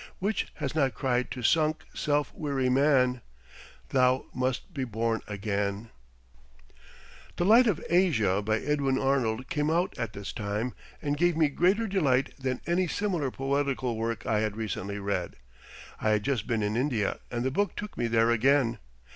Which has not cried to sunk, self weary man, Thou must be born again." "The Light of Asia," by Edwin Arnold, came out at this time and gave me greater delight than any similar poetical work I had recently read. I had just been in India and the book took me there again.